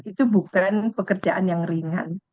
itu bukan pekerjaan yang ringan